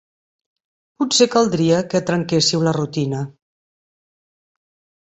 Potser caldria que trenquésseu la rutina.